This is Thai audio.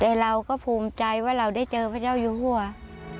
แต่เราก็ภูมิใจว่าเราได้เจอพระเจ้าอยู่หัว